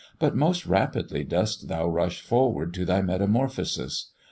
But most rapidly dost thou rush forward to thy metamorphosis!